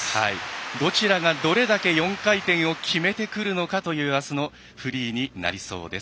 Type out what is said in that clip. どちらがどれだけ４回転を決めてくるのかというあすのフリーになりそうです。